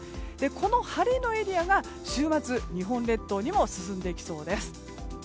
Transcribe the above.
この晴れのエリアが週末、日本列島にも進んでいきそうです。